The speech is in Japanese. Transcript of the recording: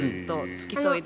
付き添いで。